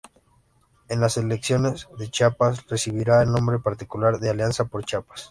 En las Elecciones de Chiapas recibirá el nombre particular de "Alianza por Chiapas".